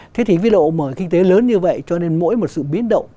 thế thì với độ mở kinh tế lớn như vậy cho nên mỗi một sự biến động